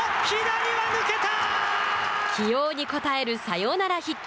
起用に応えるサヨナラヒット。